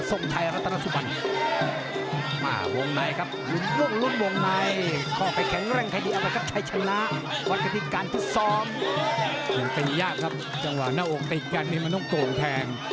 ส่งไทยรัฐตนสุบัน